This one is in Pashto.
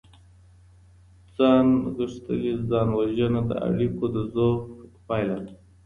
ځان غوښتلې ځان وژنه د اړيکو د ضعف پايله ده.